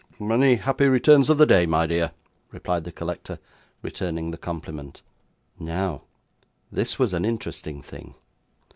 'Many happy returns of the day, my dear,' replied the collector, returning the compliment. Now, this was an interesting thing.